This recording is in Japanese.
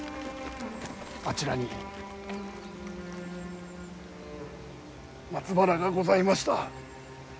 あちらに松原がございました。